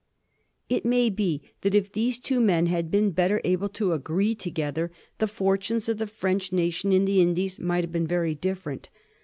It may be that if these two men had been better able to agree together the fortunes of the French nation in the Indies might have been very different.